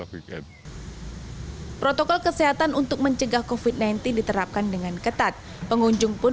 weekend protokol kesehatan untuk mencegah kofit nanti diterapkan dengan ketat pengunjung pun